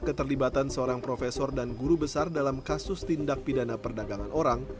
keterlibatan seorang profesor dan guru besar dalam kasus tindak pidana perdagangan orang